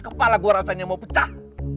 kepala gue rasanya mau pecah